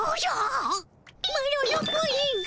マロのプリンが。